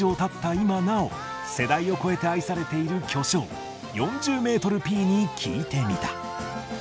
今なお世代を超えて愛されている巨匠４０ｍＰに聞いてみた。